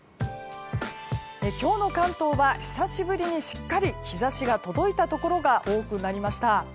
今日の関東は久しぶりにしっかり日差しが届いたところが多くなりました。